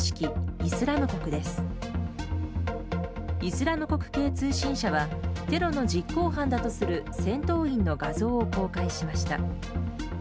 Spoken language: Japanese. イスラム国系通信社はテロの実行犯だとする戦闘員の画像を公開しました。